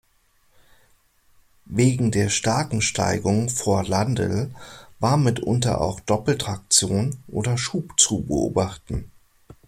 Wegen der starken Steigung vor Landl war mitunter auch Doppeltraktion oder Schub zu beobachten.